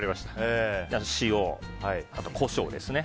あと、塩、コショウですね。